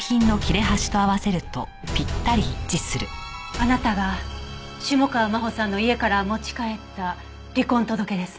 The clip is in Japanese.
あなたが下川真帆さんの家から持ち帰った離婚届ですね？